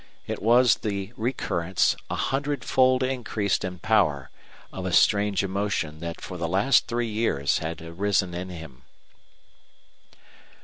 It was the recurrence, a hundred fold increased in power, of a strange emotion that for the last three years had arisen in him.